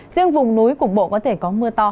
riêng vùng núi cục bộ có thể có mưa to